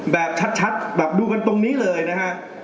แบบชัดแบบดูกันตรงนี้เลยนะฮะ